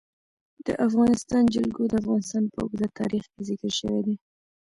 د افغانستان جلکو د افغانستان په اوږده تاریخ کې ذکر شوی دی.